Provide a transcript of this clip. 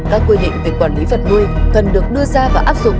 các quy định về quản lý vật nuôi cần được đưa ra và áp dụng